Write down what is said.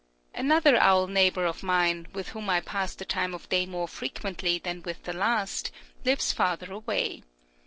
Another owl neighbor of mine, with whom I pass the time of day more frequently than with the last, lives farther away.